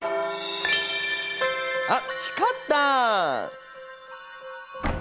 あっ光った！